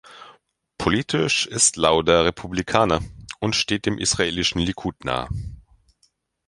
Politisch ist Lauder Republikaner und steht dem israelischen Likud nahe.